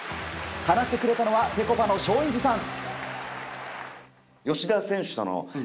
話してくれたのはぺこぱの松陰寺さん。